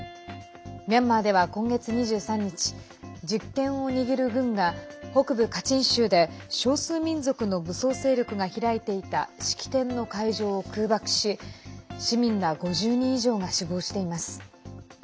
ミャンマーでは今月２３日実権を握る軍が北部カチン州で少数民族の武装勢力が開いていた式典の会場を空爆し市民ら５０人以上が死亡しています。